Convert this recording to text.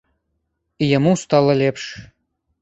І яму стала лепш.